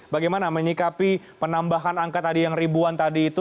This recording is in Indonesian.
bagaimana menyikapi penambahan angka tadi yang ribuan tadi itu